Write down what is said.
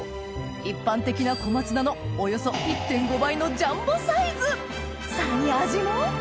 一般的な小松菜ののジャンボサイズさらに味も！